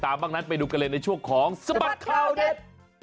บ้างนั้นไปดูกันเลยในช่วงของสบัดข่าวเด็ด